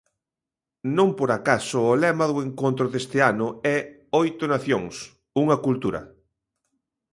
Non por acaso o lema do encontro deste ano é Oito nacións, unha cultura.